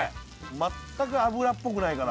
全く脂っこくないから。